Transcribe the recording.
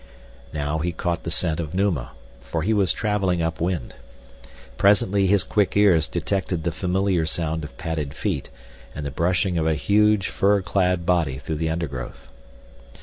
Now he caught the scent of Numa, for he was traveling up wind. Presently his quick ears detected the familiar sound of padded feet and the brushing of a huge, fur clad body through the undergrowth.